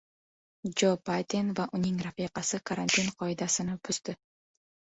Jo Bayden va uning rafiqasi karantin qoidasini buzdi